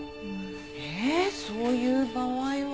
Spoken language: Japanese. えっそういう場合は。